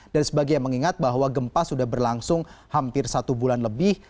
dan sebagai yang mengingat bahwa gempa sudah berlangsung hampir satu bulan lebih